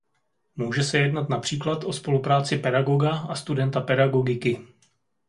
Může se jednat například o spolupráci pedagoga a studenta pedagogiky.